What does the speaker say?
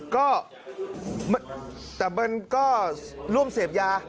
ก็แต่มันก็ร่วมเสพยา